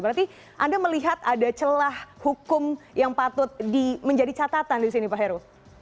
berarti anda melihat ada celah hukum yang patut menjadi catatan di sini pak heru